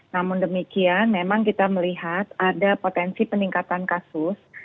namun demikian memang kita melihat ada potensi peningkatan kasus